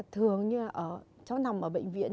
thường cháu nằm ở bệnh viện